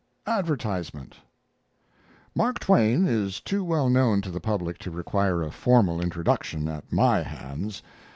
ADVERTISEMENT "Mark Twain" is too well known to the public to require a formal introduction at my hands.